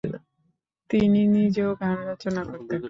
তিনি নিজেও গান রচনা করতেন।